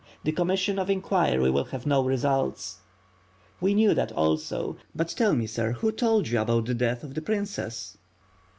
The commission of inquiry will have no results." "We knew that also; but tell me, sir, who told you about the death of the princess?"